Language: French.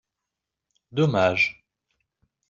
Dommage